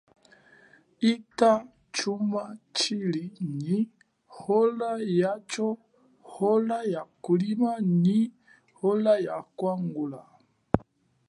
Hita chuma tshili nyi ola yacho ola ya kulima nyi ola ya kwangula.